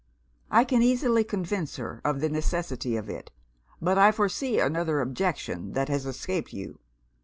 'I can easily convince her of the necessity of it; but I foresee another objection that has escaped you.'